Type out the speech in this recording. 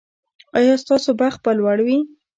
ایا ستاسو بخت به لوړ وي؟